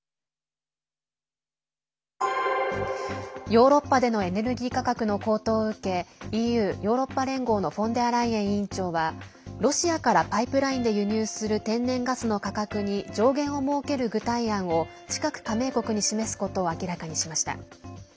ヨーロッパでのエネルギー価格の高騰を受けＥＵ＝ヨーロッパ連合のフォンデアライエン委員長はロシアからパイプラインで輸入する天然ガスの価格に上限を設ける具体案を近く加盟国に示すことを明らかにしました。